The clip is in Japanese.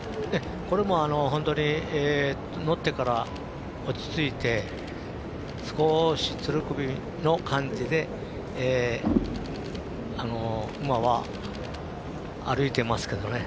これも本当に乗ってから落ち着いて少しツルクビの感じで馬は歩いていますけどね。